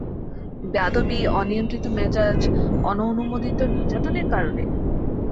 বেয়াদবি, অনিয়ন্ত্রিত মেজাজ, অননুমোদিত নির্যাতনের কারণে?